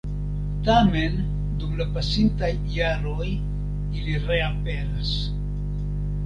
Tamen, dum la pasintaj jaroj ili reaperas.